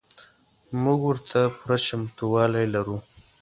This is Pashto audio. موږ ورته پوره چمتو والی لرو.